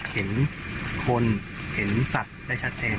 เห็นคนเห็นสัตว์ได้ชัดเจน